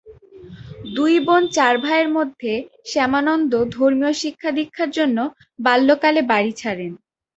দুই বোন চার ভাইয়ের মধ্যে শ্যামানন্দ ধর্মীয় শিক্ষা-দীক্ষার জন্য বাল্যকালে বাড়ি ছাড়েন।